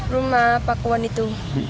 rumah pagupon itu